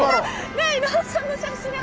ねえ伊野尾さんの写真が。